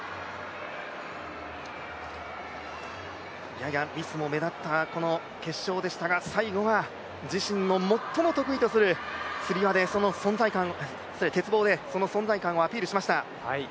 ややミスも目立った決勝でしたが最後は自身の最も得意とする鉄棒でその存在感をアピールしました。